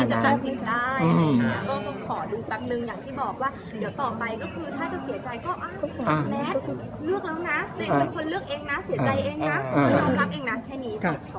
เป็นคนรักเองนะแค่นี้